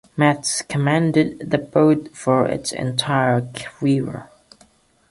Metz commanded the boat for its entire career.